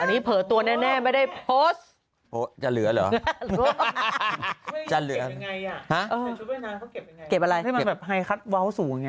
อันนี้เผลอตัวแน่นไม่ได้โพสจะเหลือเหรอไงเห็นอย่างงี้